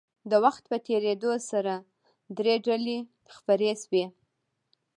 د وخت په تېرېدو سره درې ډلې خپرې شوې.